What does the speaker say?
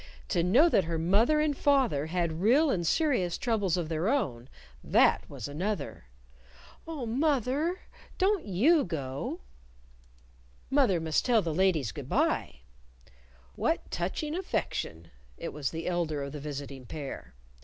To know that her mother and father had real and serious troubles of their own, that was another! "Oh, moth er! Don't you go!" "Mother must tell the ladies good by." "What touching affection!" It was the elder of the visiting pair.